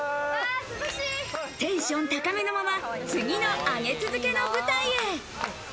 テンション高めのまま、次の上げ続けの舞台へ。